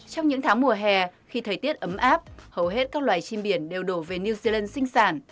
trong những tháng mùa hè khi thời tiết ấm áp hầu hết các loài chim biển đều đổ về new zealand sinh sản